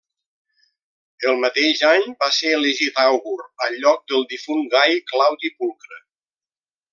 El mateix any va ser elegit àugur al lloc del difunt Gai Claudi Pulcre.